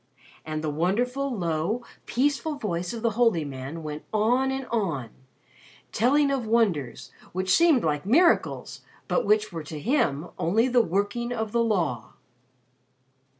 And the wonderful, low, peaceful voice of the holy man went on and on, telling of wonders which seemed like miracles but which were to him only the 'working of the Law.'"